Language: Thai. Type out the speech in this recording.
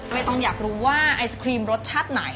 ไม่ต้องอยากรู้ว่าไอศครีมรสชาติไหน